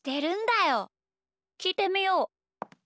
きいてみよう。